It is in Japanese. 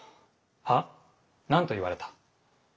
は？何と言われた。